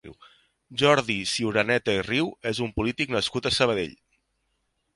Jordi Ciuraneta i Riu és un polític nascut a Sabadell.